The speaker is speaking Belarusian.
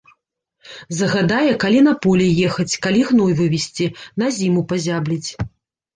Загадае калі на поле ехаць, калі гной вывезці, на зіму пазябліць.